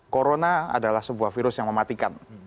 corona adalah sebuah virus yang mematikan